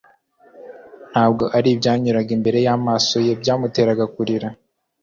Ntabwo ari ibyanyuraga imbere y'amaso ye byamuteraga kurira.